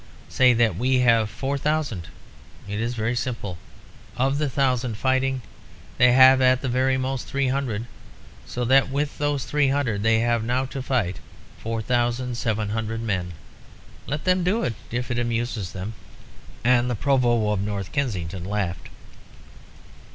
Say that we have four thousand. It is very simple. Of the thousand fighting, they have at the very most, three hundred, so that, with those three hundred, they have now to fight four thousand seven hundred men. Let them do it if it amuses them." And the Provost of North Kensington laughed.